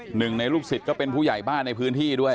หนึ่งในลูกศิษย์ก็เป็นผู้ใหญ่บ้านในพื้นที่ด้วย